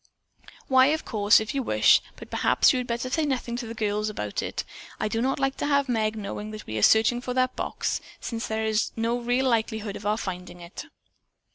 "Why, of course, if you wish, but perhaps you had better say nothing to the girls about it. I do not like to have Meg know that we are searching for that box, since there is no real likelihood of our finding it."